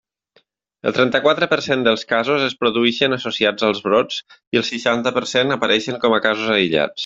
El trenta-quatre per cent dels casos es produïxen associats als brots i el seixanta per cent apareixen com a casos aïllats.